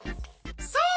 そう！